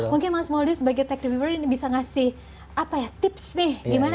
mungkin mas mouldie sebagai tech reviewer ini bisa ngasih apa ya tips nih gimana sih caranya